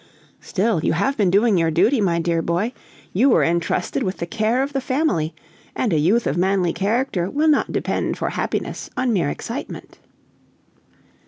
"Still you have been doing your duty, my dear boy; you were entrusted with the care of the family, and a youth of manly character will not depend for happiness on mere excitement."